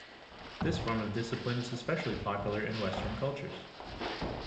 This form of discipline is especially popular in western cultures.